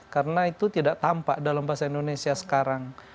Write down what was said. karena itu tidak tampak dalam bahasa indonesia sekarang